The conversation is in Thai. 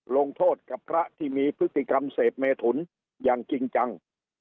ลงโทษกับพระที่มีพฤติกรรมเสพเมถุนอย่างจริงจัง